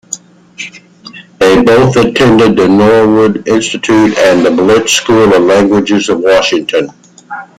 They both attended the Norwood Institute and the Berlitz School of Languages of Washington.